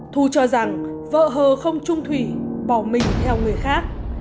thu cho rằng vợ hờ không trung thủy bỏ mình theo người khác